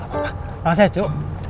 gak apa apa makasih ya cu